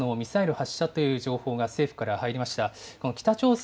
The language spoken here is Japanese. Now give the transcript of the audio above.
すぎたさん、北朝鮮からのミサイル発射という情報が政府から入りました。